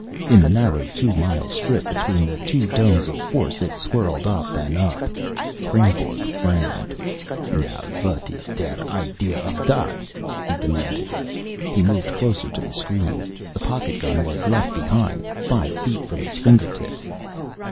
In the narrow, two mile strip between the two domes of force it swirled up and up.... Kreynborg frowned. "Now, what is der idea of that?" he demanded. He moved closer to the screen. The pocket gun was left behind, five feet from his finger tips.